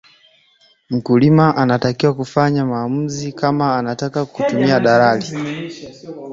Mkulima anatakiwa kufanya maamuzi kama atataka kutumia dalali